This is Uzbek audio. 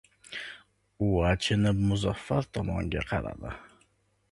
U achinib Muzaffar tomonga qaradi.